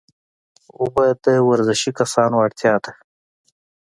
اوبه د ورزشي کسانو اړتیا ده